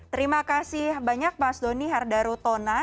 terima kasih banyak mas doni hardarutona